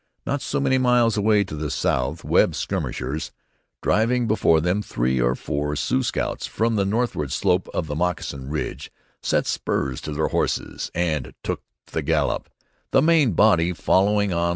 Not so many miles away to the south Webb's skirmishers, driving before them three or four Sioux scouts from the northward slope of the Moccasin Ridge, set spurs to their horses and took the gallop, the main body following on.